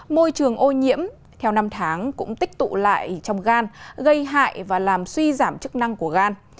môi trường ô nhiễm theo năm tháng cũng tích tụ lại trong gan gây hại và làm suy giảm chức năng của gan